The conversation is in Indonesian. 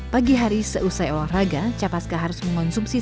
pagi hari seusai olahraga capaska harus mengonsumsi seluruh makanan